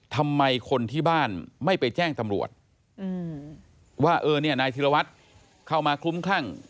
ทำไมคนที่บ้านไม่ไปแจ้งตำรวจว่านายธิรวรรษเข้ามาคุ้มข้าง